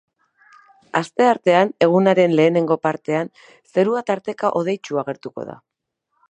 Asteartean, egunaren lehenengo partean zerua tarteka hodeitsu agertuko da.